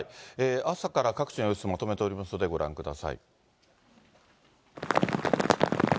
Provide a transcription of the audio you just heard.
朝から各地の様子、まとめておりますので、ご覧ください。